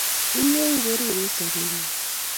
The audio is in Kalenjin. Iye ii berur eng sapenyu